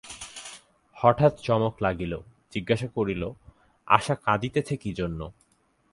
হঠাৎ চমক লাগিল, জিজ্ঞাসা করিল, আশা কাঁদিতেছে কী জন্য।